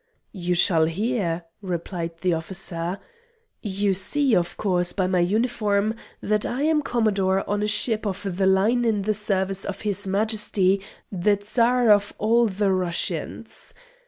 "You shall hear," replied the officer. "You see, of course, by my uniform that I am Commodore on a ship of the line in the service of his Majesty the Tsar of all the Russias.